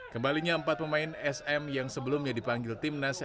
kembalinya empat pemain sm yang sebelumnya dipanggil tim nas